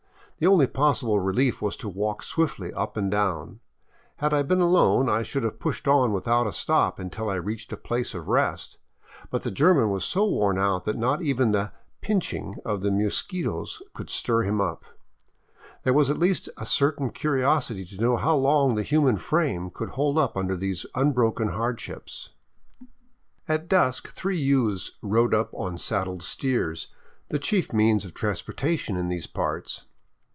The only possible relief was to walk swiftly up and down. Had I been alone, I should have pushed on without a stop until I reached a place of rest, but the German was so worn out that not even the " pinching " of the mosquitos could stir him up. There was at least a certain curi osity to know how long the human frame could hold up under these unbroken hardships. 578 SKIRTING THE GRAN CHACO At dusk three youths rode up on saddled steers, the chief means of transportation in these parts.